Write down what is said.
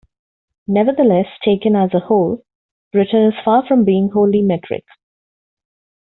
Nevertheless, taken as a whole, Britain is far from being wholly metric.